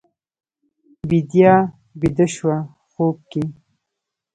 بیدیا بیده شوه خوب کې